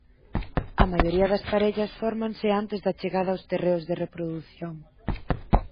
A maioría das parellas fórmanse antes da chegada aos terreos de reprodución.